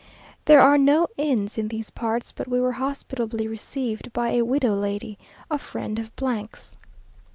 There are no inns in these parts, but we were hospitably received by a widow lady, a friend of 's.